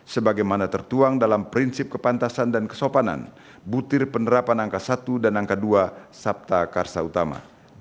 sebagaimana tertuang dalam prinsip kepantasan dan kesopanan butir penerapan angka satu dan angka dua sabta karsa utama